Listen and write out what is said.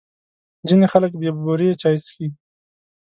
ځینې خلک بې بوري چای څښي.